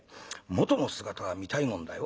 元の姿が見たいもんだよ。